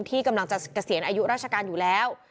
ที่กำลังจะเกษียณอายุราชการอยู่แล้ว